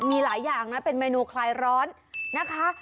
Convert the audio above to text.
มีหลายอย่างนะเป็นเมนูคลายร้อนนะคะ